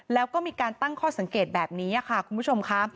แล้วก็มีการตั้งข้อสังเกตแบบนี้ค่ะคุณผู้ชมค่ะ